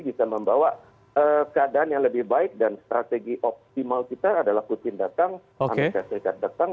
bisa membawa keadaan yang lebih baik dan strategi optimal kita adalah putin datang amerika serikat datang